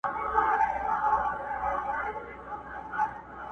موږ چي د پردیو په ګولیو خپل ټټر ولو.!